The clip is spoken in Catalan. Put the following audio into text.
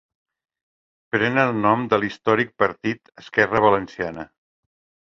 Pren el nom de l'històric partit Esquerra Valenciana.